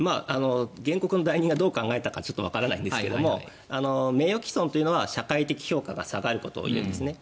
原告の代理人がどう考えたかちょっとわからないんですが名誉棄損というのは社会的評価が下がることを言いますね。